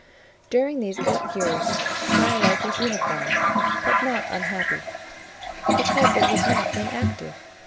During these eight years my life was uniform: but not unhappy, because it was not inactive.